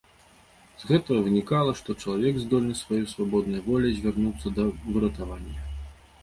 З гэтага вынікала, што чалавек здольны сваёй свабоднай воляй звярнуцца да выратавання.